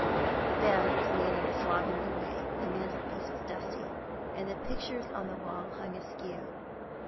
The bed was made in a slovenly way, the mantelpiece was dusty, and the pictures on the walls hung askew.